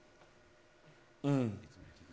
うん。